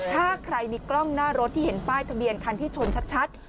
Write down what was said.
ถ้าใครมีกล้องหน้ารถที่เห็นป้ายทะเบียนคันที่ชนชัด